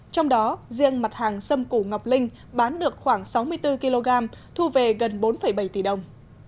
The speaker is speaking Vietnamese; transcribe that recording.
trong đó riêng mặt hàng xâm củ ngọc linh bán được khoảng sáu mươi bốn kg thu về gần bốn bảy tỷ đồng